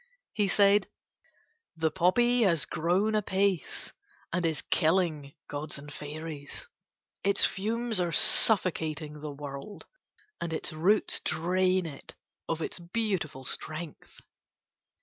He said: "The poppy has grown apace and is killing gods and fairies. Its fumes are suffocating the world, and its roots drain it of its beautiful strength."